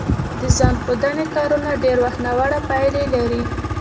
د ځان ښودنې کارونه ډېری وخت ناوړه پایله لري